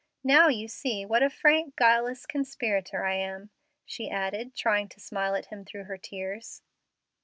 Now you see what a frank, guileless conspirator I am," she added, trying to smile at him through her tears.